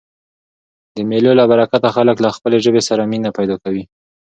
د مېلو له برکته خلک له خپلي ژبي سره مینه پیدا کوي.